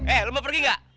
eh lo mau pergi gak